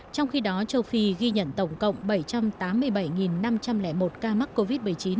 trong khi đó châu phi ghi nhận tổng cộng bảy trăm tám mươi bảy năm trăm linh một ca mắc covid một mươi chín